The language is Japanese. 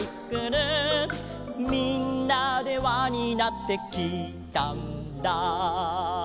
「みんなでわになってきいたんだ」